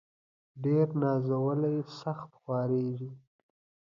ډير نازولي ، سخت خوارېږي.